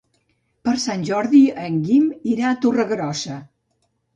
Per Sant Jordi en Guim irà a Torregrossa.